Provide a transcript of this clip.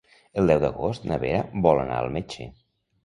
El deu d'agost na Vera vol anar al metge.